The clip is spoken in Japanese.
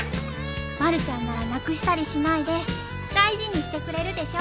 まるちゃんならなくしたりしないで大事にしてくれるでしょ？